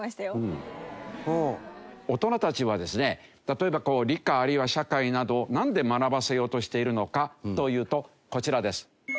大人たちはですね例えば理科あるいは社会などをなんで学ばせようとしているのかというとこちらです。